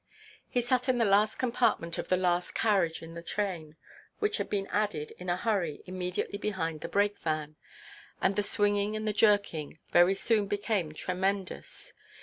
He sat in the last compartment of the last carriage in the train, which had been added, in a hurry, immediately behind the break van, and the swinging and the jerking very soon became tremendous.